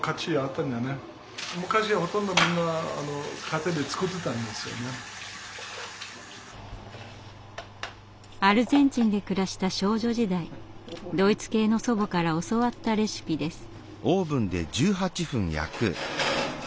多分アルゼンチンで暮らした少女時代ドイツ系の祖母から教わったレシピです。